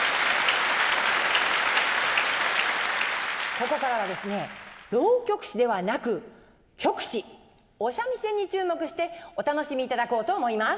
ここからは浪曲師ではなく曲師お三味線に注目してお楽しみいただこうと思います。